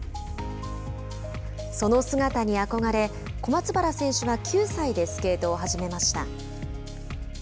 その姿に憧れ小松原選手は９歳でスケートを始めました。